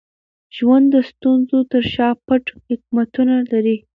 ژوند د ستونزو تر شا پټ حکمتونه لري.